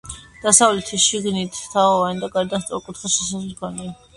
დასავლეთით შიგნიდან თაღოვანი და გარედან სწორკუთხა შესასვლელი ჰქონია.